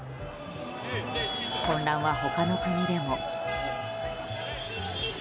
混乱は他の国でも。